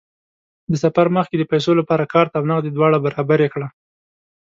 د سفر مخکې د پیسو لپاره کارت او نغدې دواړه برابرې کړه.